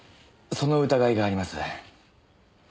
その疑いがあります。